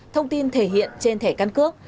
thông tin thể hiện trên thẻ căn cước